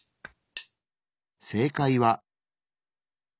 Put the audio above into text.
正解は。